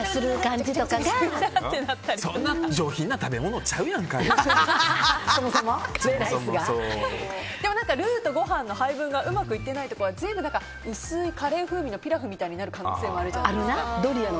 そんな上品な食べ物でもルーとご飯の配分がうまくいってないところが全部薄いピラフみたいになる可能性があるじゃないですか。